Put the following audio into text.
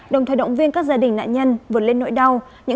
đồng thời động viên các gia đình nạn nhân vượt lên nỗi đau